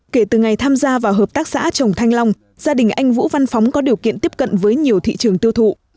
kể từ ngày tham gia vào hợp tác xã trồng thanh long gia đình anh vũ văn phóng có điều kiện tiếp cận với nhiều thị trường tiêu thụ